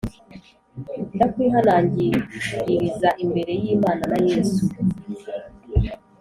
Ndakwihanangiririza imbere y Imana na Yesu